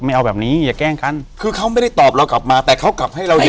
เอาแบบนี้อย่าแกล้งกันคือเขาไม่ได้ตอบเรากลับมาแต่เขากลับให้เราดี